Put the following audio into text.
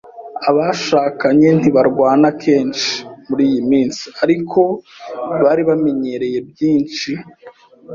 Abashakanye ntibarwana kenshi muriyi minsi, ariko bari bamenyereye byinshi.